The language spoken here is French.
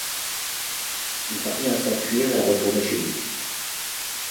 Il parvient à s'enfuir et à retourner chez lui.